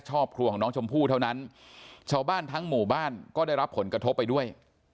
ครอบครัวของน้องชมพู่เท่านั้นชาวบ้านทั้งหมู่บ้านก็ได้รับผลกระทบไปด้วย